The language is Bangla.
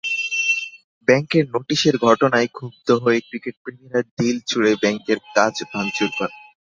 ব্যাংকের নোটিশের ঘটনায় ক্ষুব্ধ হয়ে ক্রিকেটপ্রেমীরা ঢিল ছুড়ে ব্যাংকের কাচ ভাঙচুর করেন।